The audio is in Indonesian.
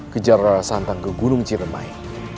kejar santang ke gunung ciremai